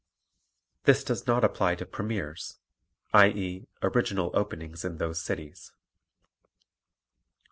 This does not apply to premiers, i.e., original openings in those cities.